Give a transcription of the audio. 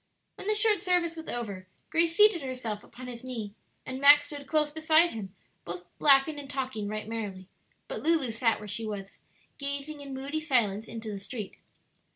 When the short service was over Grace seated herself upon his knee, and Max stood close beside him, both laughing and talking right merrily; but Lulu sat where she was, gazing in moody silence into the street.